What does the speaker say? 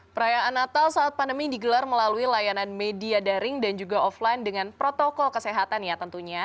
perayaan natal saat pandemi digelar melalui layanan media daring dan juga offline dengan protokol kesehatan ya tentunya